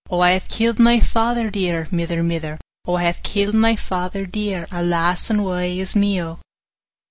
20 'O I hae kill'd my father dear, Mither, mither; O I hae kill'd my father dear, Alas, and wae is me, O!